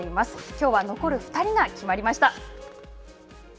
きょうは残る２人が決まりました。